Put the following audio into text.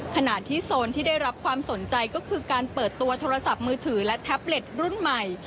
ขณะที่โซนที่ได้รับความสนใจก็คือการเปิดตัวโทรศัพท์มือถือและแท็บเล็ตรุ่นใหม่